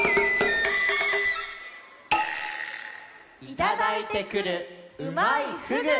「いただいてくるうまいふぐ」！